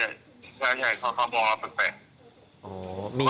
ซักการถี่ทีชาวกรักรังด่ายอยู่ทางการที่ตอนนี้